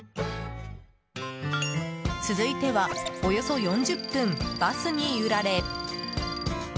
続いてはおよそ４０分バスに揺られ。